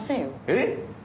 えっ？